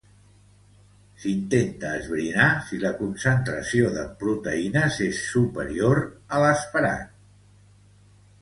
S'intenta esbrinar si la concentració de proteïnes és superior a l'esperat.